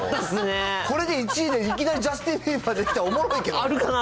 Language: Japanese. これで１位で、いきなりジャスティン・ビーバー出てきたらおもろいけどな。